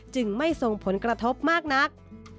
จึงไม่ส่งผลกระทบมากนัก